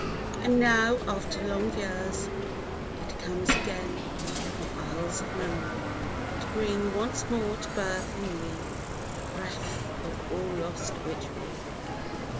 And now, after long years, it comes Again from isles of memory To bring once more to birth in me The breath of all lost witchery.